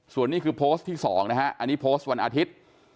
ส่วนนี้คือโพสต์ที่๒นะฮะอันนี้โพสต์วันอาทิตย์